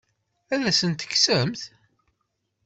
Ad asent-t-tekksemt?